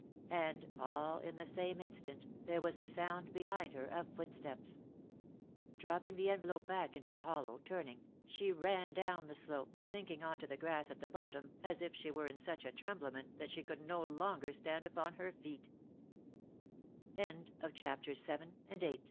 And, all in the same instant, there was the sound behind her of foot steps. Dropping the envelope back into the hollow, turning, she ran down the slope, si nking on to the grass at the bottom as if she were in such a tremblement that she could no lon